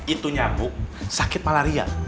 itu nyamuk sakit malaria